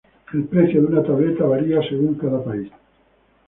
El precio de una tableta varía según cada país.